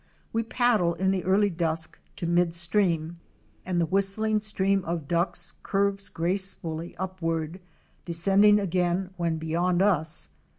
We paddle in the early dusk to mid stream and the whistling stream of Ducks curves gracefully upward, descending again when beyond us.